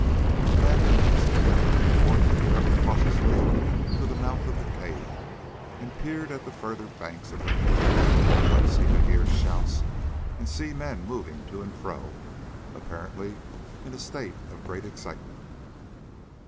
Abandoning this attempt, the dwarf crept cautiously to the mouth of the cave and peered at the further banks of the pool, whence he could hear shouts and see men moving to and fro, apparently in a state of great excitement.